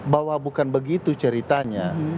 bahwa bukan begitu ceritanya